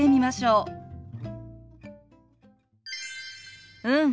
うん。